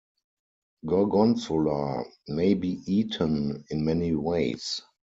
Gorgonzola may be eaten in many ways.